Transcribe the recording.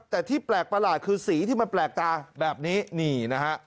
แต่ที่แปลกประหลาดคือสีที่มันแปลกตาแบบนี้นี่นะฮะ